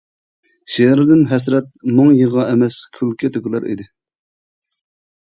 شېئىرىدىن ھەسرەت، مۇڭ، يىغا ئەمەس كۈلكە تۆكۈلەر ئىدى.